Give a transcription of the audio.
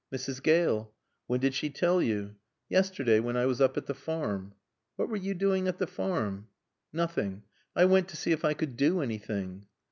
"Mrs. Gale." "When did she tell you?" "Yesterday, when I was up at the farm." "What were you doing at the farm?" "Nothing. I went to see if I could do anything."